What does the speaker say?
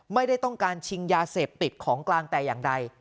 ไม่ได้ต้องการชิงยาเสพติดของกลางแต่อย่างใด